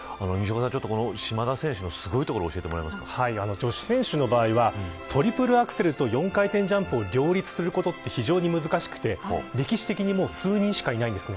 島田選手のすごいところを教えてもらえま女子選手の場合はトリプルアクセルと４回転ジャンプを両立することは非常に難しく歴史的に数人しかいないんですね。